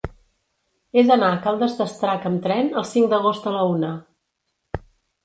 He d'anar a Caldes d'Estrac amb tren el cinc d'agost a la una.